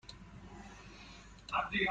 فیلم جنگی است.